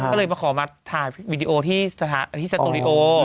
ก็เลยมาขอมาถ่ายวีดีโอที่สตูดิโอ